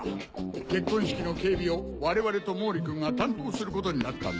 結婚式の警備を我々と毛利君が担当することになったんだ。